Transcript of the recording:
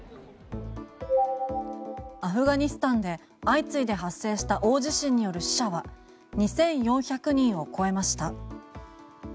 アフガニスタンで相次いで発生した大地震による死者は２４００人を超えました。